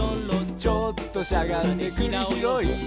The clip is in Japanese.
「ちょっとしゃがんでくりひろい」